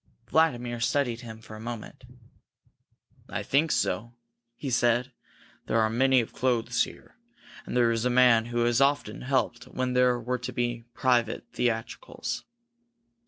Vladimir studied him for a moment. "I think so," he said. "There are plenty of clothes here, and there is a man who has often helped when there were to be private theatricals."